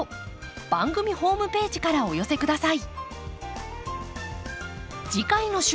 番組ホームページからお寄せ下さい。